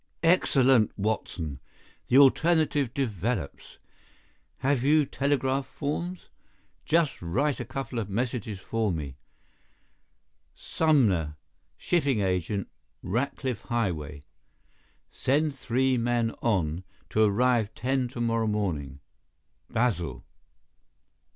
"Excellent, Watson! The alternative develops. Have you telegraph forms? Just write a couple of messages for me: 'Sumner, Shipping Agent, Ratcliff Highway. Send three men on, to arrive ten to morrow morning.—Basil.